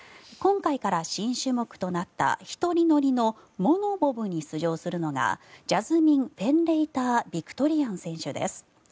今回から新種目となった１人乗りのモノボブに出場するのがジャズミン・フェンレイター・ビクトリアン選手です。